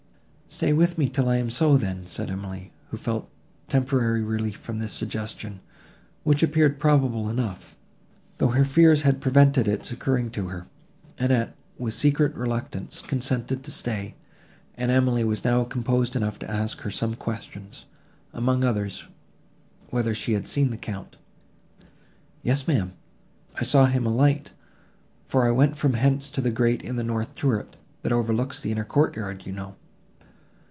"Stay with me till I am so, then," said Emily, who felt temporary relief from this suggestion, which appeared probable enough, though her fears had prevented its occurring to her. Annette, with secret reluctance, consented to stay, and Emily was now composed enough to ask her some questions; among others, whether she had seen the Count. "Yes, ma'am, I saw him alight, for I went from hence to the grate in the north turret, that overlooks the inner courtyard, you know.